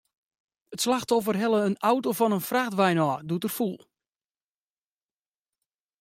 It slachtoffer helle in auto fan in frachtwein ôf, doe't er foel.